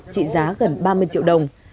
trị giá gần ba mươi triệu đồng